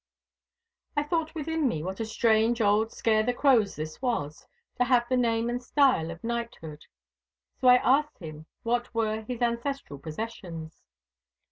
I thought within me what a strange old scare the crows this was, to have the name and style of knighthood. So I asked him what were his ancestral possessions.